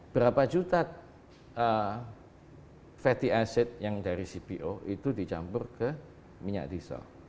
berapa juta fatty aset yang dari cpo itu dicampur ke minyak diesel